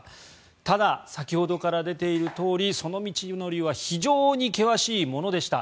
ただ、先ほどから出ているとおりその道のりは非常に険しいものでした。